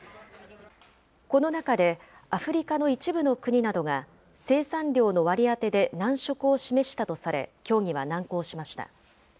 この中で、アフリカの一部の国などが、生産量の割り当てで難色を示したとされ、協議は難航しました。